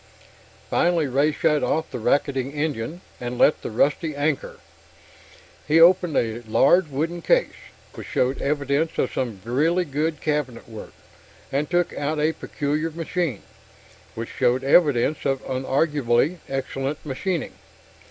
Finally Ray shut off the racketing engine and let out the rusty anchor. He opened a large wooden case, which showed evidence of some really good cabinet work, and took out a peculiar machine, which showed evidence of unarguably excellent machining.